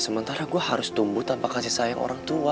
sementara gue harus tumbuh tanpa kasih sayang orang tua